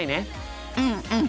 うんうん。